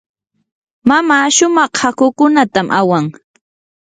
mamaa shumaq hakukunatam awan.